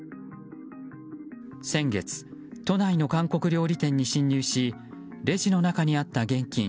先月、都内の韓国料理店に侵入しレジの中にあった現金